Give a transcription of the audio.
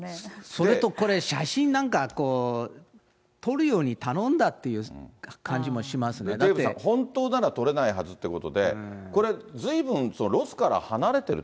それとこれ、写真なんかこう、撮るように頼んだってデーブさん、本当なら撮れないはずってことで、これ、ずいぶんロスから離れてると。